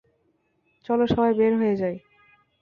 চলো, সবাই বের হয়ে যাই!